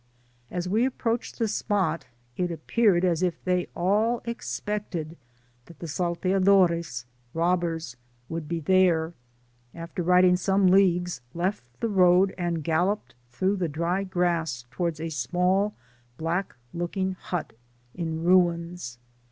As we approached the spot, it appeared as if they all expected that the Salteadores (robbers) would be there— after riding some leagues, left the road, and galloped through the dry grass towards a small black looking hut in ruins.